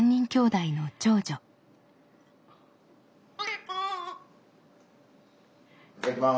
いただきます。